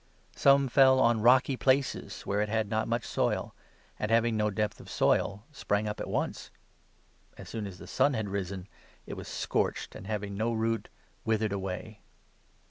Some fell on rocky places, where it had not 5 much soil, and, having no depth of soil, sprang up at once. As soon as the sun had risen, it was scorched, and, having no 6 root, withered away.